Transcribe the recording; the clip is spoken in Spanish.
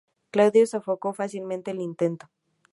Claudio sofocó fácilmente el intento.